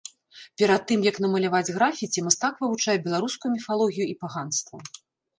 Перад тым, як намаляваць графіці, мастак вывучае беларускую міфалогію і паганства.